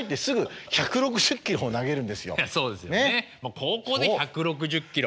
高校で１６０キロ。